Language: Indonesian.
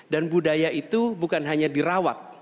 dan budaya itu bukan hanya dirawat